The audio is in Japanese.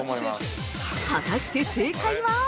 ◆果たして正解は？